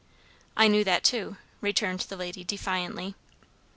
"I knew that too," returned the lady defiantly.